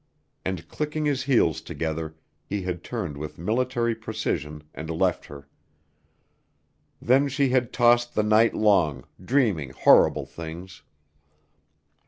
And clicking his heels together, he had turned with military precision and left her. Then she had tossed the night long, dreaming horrible things.